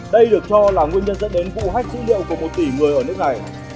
đây được cho là nguyên nhân dẫn đến vụ hách dữ liệu của một tỷ người ở nước này